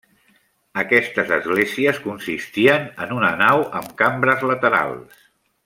Aquestes esglésies consistien en una nau amb cambres laterals.